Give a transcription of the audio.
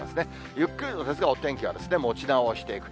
ゆっくりですが、お天気はもち直してくる。